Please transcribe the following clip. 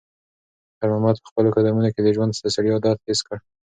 خیر محمد په خپلو قدمونو کې د ژوند د ستړیا درد حس کړ.